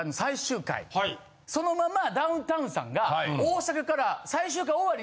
そのままダウンタウンさんが大阪から。